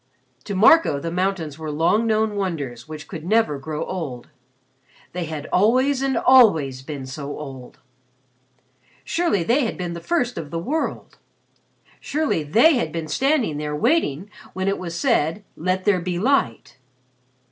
To Marco the mountains were long known wonders which could never grow old. They had always and always been so old! Surely they had been the first of the world! Surely they had been standing there waiting when it was said "Let there be Light."